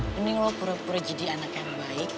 mending lo pura pura jadi anak yang baik